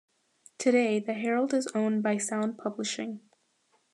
Today, the Herald is owned by Sound Publishing.